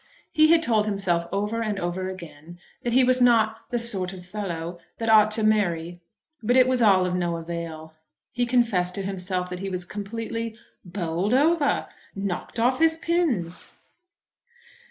He had told himself over and over again that he was not the "sort of fellow" that ought to marry; but it was all of no avail. He confessed to himself that he was completely "bowled over," "knocked off his pins!"